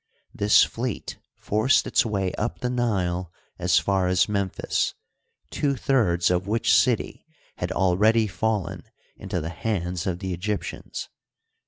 This fleet forced its way up the Nile as far as Memphis, two thirds of which city had already fallen into the hands of the Egyptians.